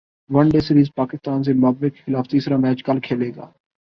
one day سیریزپاکستان Zimbabwe کیخلاف تیسرا match کل کھیلے گا